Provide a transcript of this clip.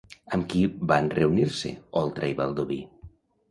Amb qui van reunir-se, Oltra i Baldoví?